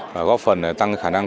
và góp phần tăng khả năng